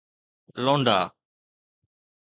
لونڊا